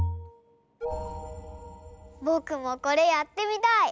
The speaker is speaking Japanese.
ぼくもこれやってみたい！